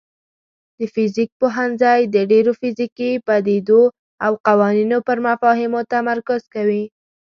د فزیک پوهنځی د ډیرو فزیکي پدیدو او قوانینو پر مفاهیمو تمرکز کوي.